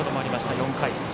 ４回。